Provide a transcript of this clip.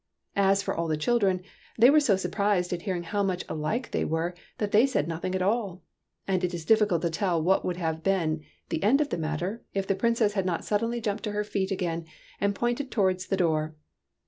As for all the children, they were so surprised at hearing how much alike they were that they said noth ing at all ; and it is difficult to tell what would have been the end of the matter, if the Princess had not suddenly jumped to her feet again and pointed towards the door.